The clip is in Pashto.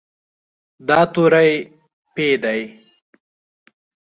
دا توری "پ" دی.